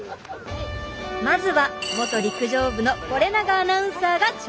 まずは元陸上部の是永アナウンサーが挑戦！